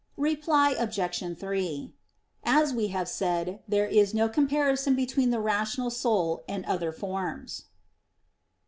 Reply Obj. 3: As we have said, there is no comparison between the rational soul and other forms.